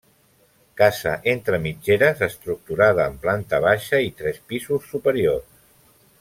Casa entre mitgeres estructurada en planta baixa i tres pisos superiors.